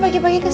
ya ampun dewa